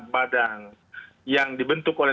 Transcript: badang yang dibentuk oleh